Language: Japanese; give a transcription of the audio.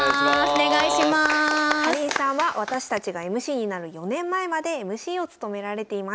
かりんさんは私たちがＭＣになる４年前までＭＣを務められていました。